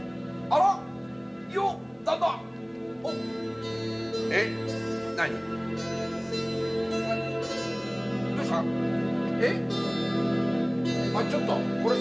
あっちょっとこれ。